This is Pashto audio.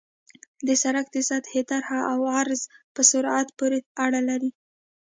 د سرک د سطحې طرح او عرض په سرعت پورې اړه لري